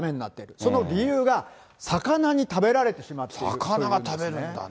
その理由が、魚に食べられてしまっているというんですね。